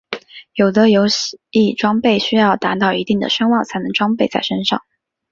有的游戏装备需要达到一定的声望才能装备在身上。